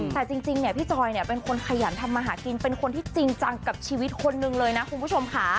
แต่จริงเนี่ยพี่จอยเนี่ยเป็นคนขยันทำมาหากินเป็นคนที่จริงจังกับชีวิตคนนึงเลยนะคุณผู้ชมค่ะ